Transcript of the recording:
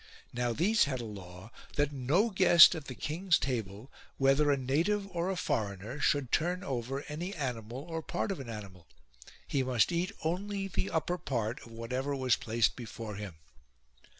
Now these had a law that no guest at the king's table, whether a native or a foreigner, should turn over any animal or part of an animal : he must eat only the upper part of whatever was placed before him.